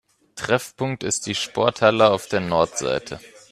Treffpunkt ist die Sporthalle auf der Nordseite.